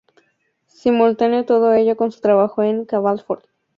Simultaneó todo ello con su trabajo en "Cavall Fort".